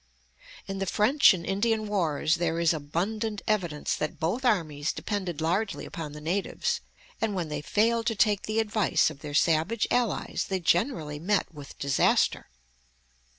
In the French and Indian wars there is abundant evidence that both armies depended largely upon the natives, and that when they failed to take the advice of their savage allies they generally met with disaster.